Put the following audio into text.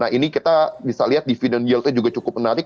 nah ini kita bisa lihat dividend yieldnya juga cukup menarik